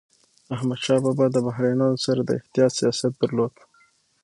احمدشاه بابا د بهرنيانو سره د احتیاط سیاست درلود.